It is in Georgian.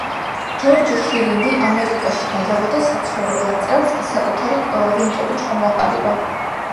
ჯორჯ შირინგი ამერიკაში გადავიდა საცხოვრებლად, წელს კი საკუთარი კვინტეტი ჩამოაყალიბა.